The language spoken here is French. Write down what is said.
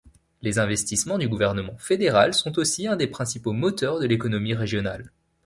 Les investissements du gouvernement fédéral sont aussi un des principaux moteurs de l'économie régionale.